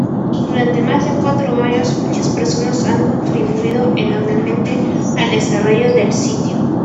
Durante más de cuatro años, muchas personas han contribuido enormemente al desarrollo del sitio.